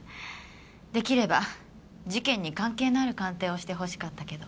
出来れば事件に関係のある鑑定をしてほしかったけど。